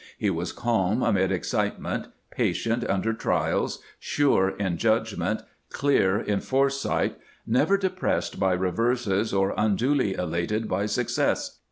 He was calm amid excitement, patient under trials, sure in judgment, clear in foresight, never de pressed by reverses or unduly elated by success.